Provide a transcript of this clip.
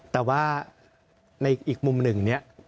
แต่ว่าในอีกมุมหนึ่งเนี่ย